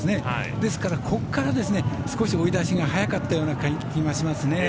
ですから、ここから追い出しが早かったような気がしますね。